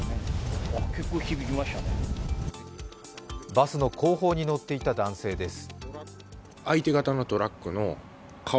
バスの後方に乗っていた男性です。